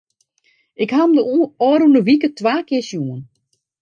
Ik ha him de ôfrûne wike twa kear sjoen.